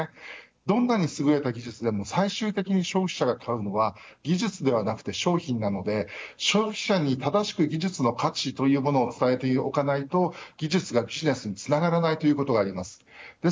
どんなにすぐれた技術でも最終的に消費者が買うのは技術ではなく商品なので消費者に正しく技術の価値というものを伝えておかないと技術がビジネスにつながらないことがあります。